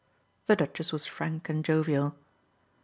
The Duchess was frank and jovial.